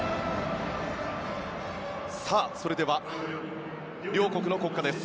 それでは両国の国歌です。